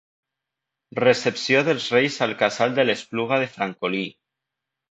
Recepció dels Reis al Casal de l'Espluga de Francolí.